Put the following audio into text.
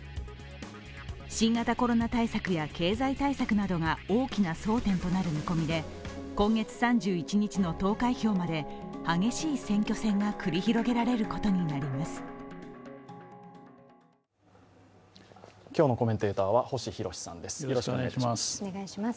新型コロナ対策や経済対策などが大きな争点となる見込みで今月３１日の投開票まで、激しい選挙戦が繰り広げられることになります。